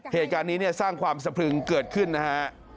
เหตุการณ์นี้เนี่ยสร้างความสะพรึงเกิดขึ้นนะฮะ